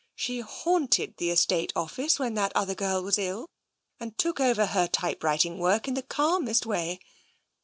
She haunted the estate office when that other girl was ill, and took over her typewriting work in the calmest way.